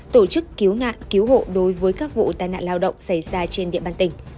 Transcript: tổ chức cứu nạn cứu hộ đối với các vụ tai nạn lao động xảy ra trên địa bàn tỉnh